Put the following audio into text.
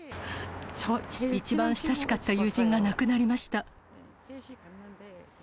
一番親しかった友人が亡くなりました。